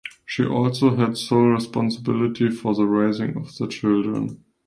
She also had sole responsibility for the raising of their children.